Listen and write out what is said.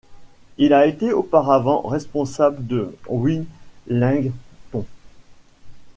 Il a été auparavant responsable de Wellington.